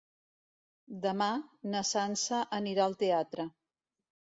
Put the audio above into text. Demà na Sança anirà al teatre.